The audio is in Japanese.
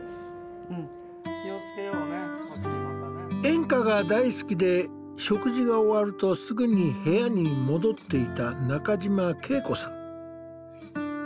演歌が大好きで食事が終わるとすぐに部屋に戻っていた中嶋圭子さん。